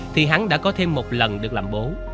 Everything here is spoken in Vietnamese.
thì hắn đã có thêm một lần được làm bố